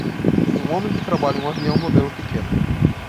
Um homem que trabalha em um avião modelo pequeno.